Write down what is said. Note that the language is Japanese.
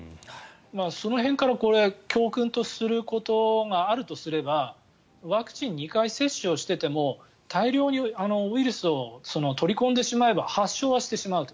その辺から教訓とすることがあるとすればワクチン２回接種をしていても大量にウイルスを取り込んでしまえば発症はしてしまうと。